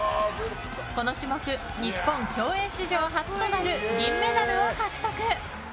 この種目、日本競泳史上初となる銀メダルを獲得。